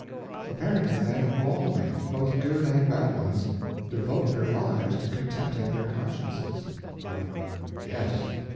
Apparently, then, all men, both good and bad ones, devote their lives to contenting their consciences. O.M. Yes.